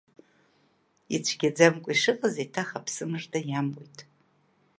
Ицәгьаӡамкәа ишыҟаз еиҭах аԥсымыжда иамуит.